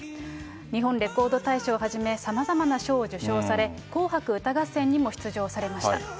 日本レコード大賞をはじめ、さまざまな賞を受賞され、紅白歌合戦にも出場されました。